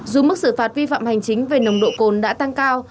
dù mức xử phạt vi phạm hành chính về nồng độ cồn đã tăng cao